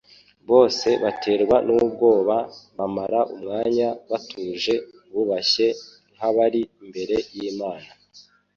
"Bose baterwa n'ubwoba." Bamara umwanya batuje bubashye nk'abari imbere y'Imana.